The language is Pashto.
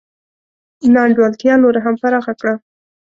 نا انډولتیا نوره هم پراخه کړه.